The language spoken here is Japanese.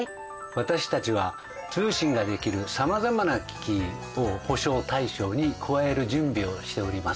私たちは通信ができる様々な機器を補償対象に加える準備をしております。